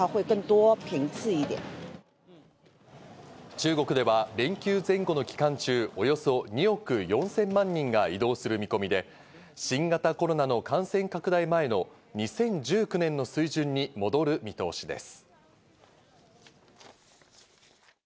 中国では連休前後の期間中、およそ２億４０００万人が移動する見込みで、新型コロナの感染拡大前の２０１９年の水準に戻る見通しです。